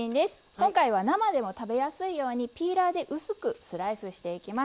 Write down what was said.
今回は生でも食べやすいようにピーラーで薄くスライスしていきます。